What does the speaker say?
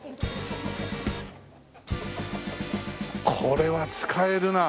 これは使えるな。